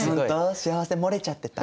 幸せ漏れちゃってた？